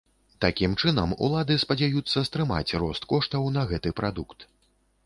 Такім чынам улады спадзяюцца стрымаць рост коштаў на гэты прадукт.